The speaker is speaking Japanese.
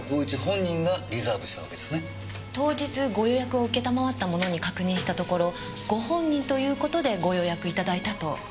当日ご予約を承った者に確認したところご本人という事でご予約頂いたと。